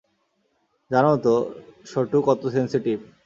জানো তো - শুটু কত সেনসিটিভ।